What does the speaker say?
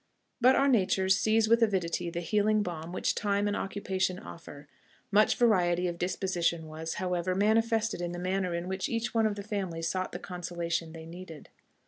But our natures seize with avidity the healing balm which time and occupation offer: much variety of disposition was, however, manifested in the manner in which each one of the family sought the consolation they needed.